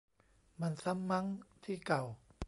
มันซ้ำมั้ง ที่เก่า